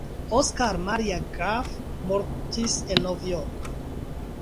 Oskar Maria Graf mortis en Novjorko.